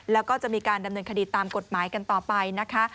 แล้วก็จะมีการดำเนินคดีตามกฎหมายกันต่อไปนะคะ